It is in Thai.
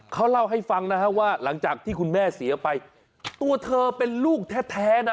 เขาเล่าให้ฟังนะฮะว่าหลังจากที่คุณแม่เสียไปตัวเธอเป็นลูกแท้นะ